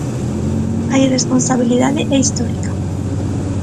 A irresponsabilidade é histórica.